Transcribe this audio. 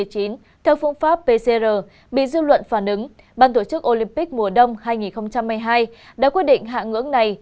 theo phương pháp pcr bị dư luận phản ứng ban tổ chức olympic mùa đông hai nghìn hai mươi hai đã quyết định hạ ngưỡng này